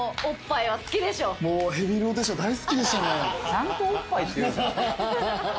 ちゃんとおっぱいって言うじゃん。